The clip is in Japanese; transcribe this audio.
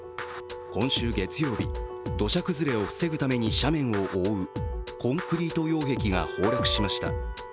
今週月曜日、土砂崩れを防ぐために斜面を覆うコンクリート擁壁が崩落しました。